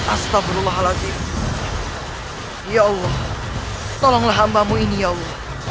astabrullahib ya allah tolonglah hambamu ini ya allah